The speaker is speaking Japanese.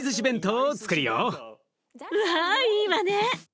うわいいわね。